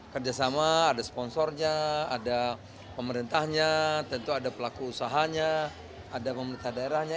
kerjasama ada sponsornya ada pemerintahnya tentu ada pelaku usahanya ada pemerintah daerahnya